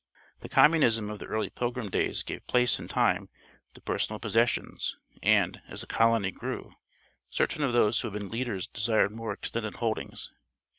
The communism of the early Pilgrim days gave place in time to personal possession and, as the colony grew, certain of those who had been leaders desired more extended holdings.